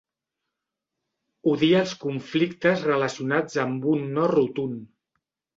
Odia els conflictes relacionats amb un no rotund.